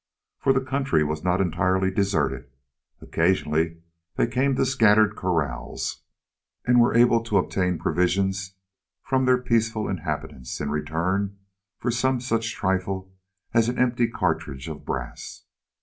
For the country was not entirely deserted; occasionally they came to scattered kraals, and were able to obtain provisions from their peaceful inhabitants in return for some such trifle as an empty cartridge of brass.